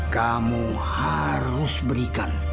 kamu harus berikan